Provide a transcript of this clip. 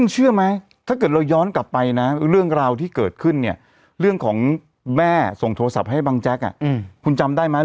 เชื่อไหมถ้าเกิดเราย้อนกลับไปนะเรื่องราวที่เกิดขึ้นเนี่ยเรื่องของแม่ส่งโทรศัพท์ให้บังแจ๊กคุณจำได้ไหม